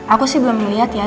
aku sih belum melihat ya